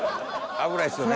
危ないっすよね。